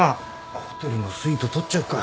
ホテルのスイート取っちゃうか。